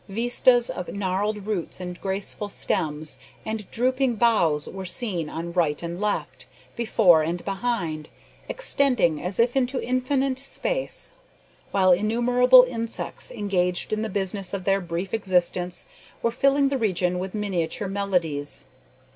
Vistas of gnarled roots and graceful stems and drooping boughs were seen on right and left, before and behind, extending as if into infinite space, while innumerable insects, engaged in the business of their brief existence, were filling the region with miniature melodies.